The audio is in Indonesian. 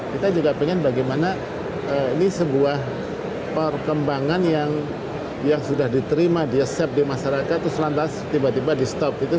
kita juga pengen bagaimana ini sebuah perkembangan yang sudah diterima di accept di masyarakat terus lantas tiba tiba di stop gitu